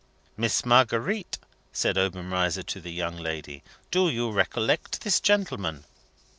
"Miss Marguerite," said Obenreizer to the young lady, "do you recollect this gentleman?"